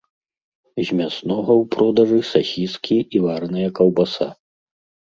З мяснога ў продажы сасіскі і вараная каўбаса.